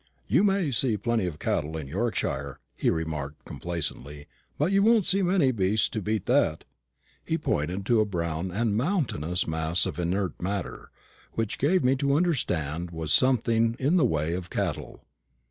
"You may see plenty of cattle in Yorkshire," he remarked, complacently, "but you won't see many beasts to beat that." He pointed to a brown and mountainous mass of inert matter, which he gave me to understand was something in the way of cattle.